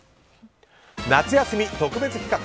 夏休み特別企画。